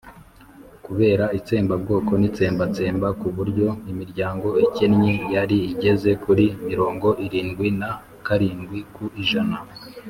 kubera itsembabwoko n'itsembatsemba ku buryo imiryango ikennye yari igeze kuri mirongo irindwi na karindwi ku ijana